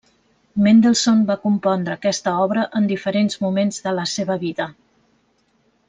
Mendelssohn va compondre aquesta obra en diferents moments de la seva vida.